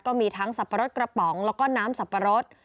ก็มีทั้งสับปะรดกระป๋องแล้วก็น้ำสับปะรด